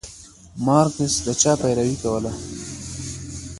مارکس د چا پيروي کوله؟